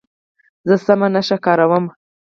زه سمه نښه کاروم.